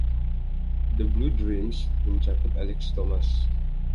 "The Blue Dreams" mencakup Alex Thomas.